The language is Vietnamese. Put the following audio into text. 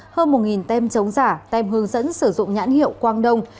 hơn một tem chống giả tem hướng dẫn sử dụng nhãn hiệu quang đông